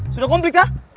sudah komplit kak